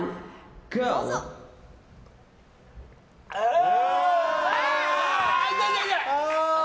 ああ！